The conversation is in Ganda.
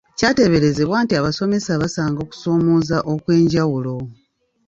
Kyateeberezebwa nti abasomesa basanga okusoomooza okw’enjawulo.